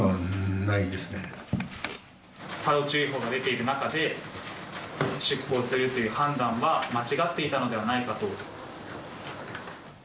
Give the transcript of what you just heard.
波浪注意報が出ている中で、出航するという判断は間違っていたのではないかと。